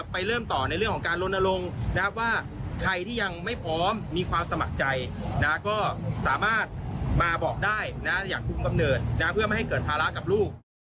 เพื่อไม่ให้เกิดภาระกับลูก